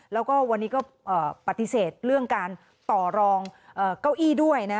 แล้วก็วันนี้ก็ปฏิเสธเรื่องการต่อรองเก้าอี้ด้วยนะ